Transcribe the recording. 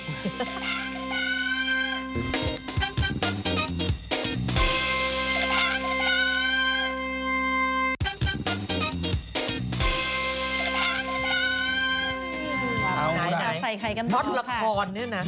ตอนนี้จะใส่ใครกันบ้างครับค่ะ